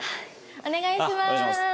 お願いします。